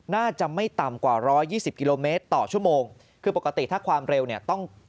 น่าจะไม่ต่ำกว่าร้อยยี่สิบกิโลเมตรต่อชั่วโมงคือปกติถ้าความเร็วเนี่ยต้อง